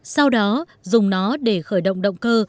sau đó dùng nó để khởi động động cơ